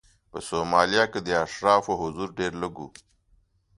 په سومالیا کې د اشرافو حضور ډېر لږ و.